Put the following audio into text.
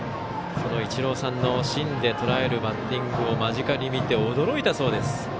そのイチローさんの芯でとらえるバッティングを間近に見て驚いたそうです。